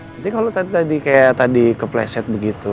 nanti kalau tadi kayak tadi kepleset begitu